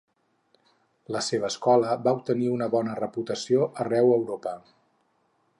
La seva escola va obtenir una bona reputació arreu Europa.